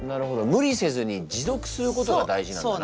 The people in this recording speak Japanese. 無理せずに持続することが大事なんだな。